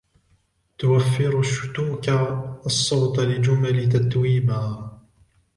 توفر " شتوكا " الصوتَ لجمل تتويبا.